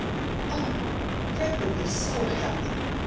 "Oh, Fred would be so happy!